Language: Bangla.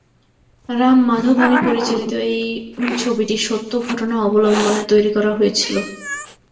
রাম মাধভানি পরিচালিত এই ছবিটি সত্য ঘটনা অবলম্বনে তৈরি করা হয়েছিল।